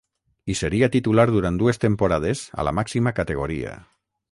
Hi seria titular durant dues temporades a la màxima categoria.